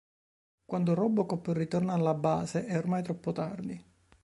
Quando RoboCop ritorna alla base, è ormai troppo tardi.